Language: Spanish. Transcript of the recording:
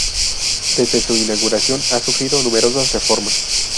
Desde su inauguración ha sufrido numerosas reformas.